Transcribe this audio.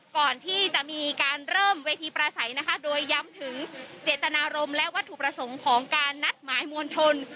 ก่อนที่จะมีการเริ่มเวทีประสัยนะคะโดยย้ำถึงเจตนารมณ์และวัตถุประสงค์ของการนัดหมายมวลชน